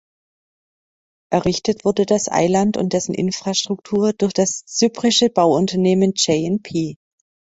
Errichtet wurde das Eiland und dessen Infrastruktur durch das zyprische Bauunternehmen J&P.